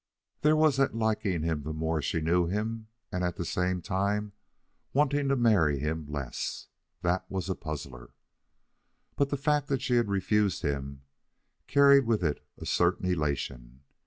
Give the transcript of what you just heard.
There was that liking him the more she knew him and at the same time wanting to marry him less. That was a puzzler. But the fact that she had refused him carried with it a certain elation.